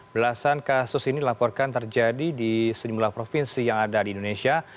belasan kasus ini dilaporkan terjadi di sejumlah provinsi yang ada di indonesia